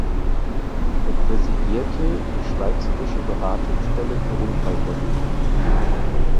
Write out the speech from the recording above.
Er präsidierte die Schweizerische Beratungsstelle für Unfallverhütung.